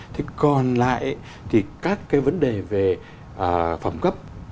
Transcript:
thế còn lại thì các cái vấn đề về phẩm cấp